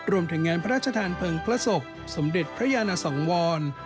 รวมถึงงานพระราชทานเผลอสกสมเด็จพระยานสังวล